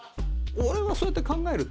俺はそうやって考えると。